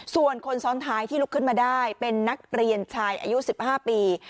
ส่วนคนซ้อนท้ายที่ลุกขึ้นมาได้เป็นนักเรียนชายอายุ๑๕ปี